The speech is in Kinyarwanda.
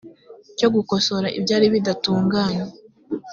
cyo gukosora ibyari bidatunganye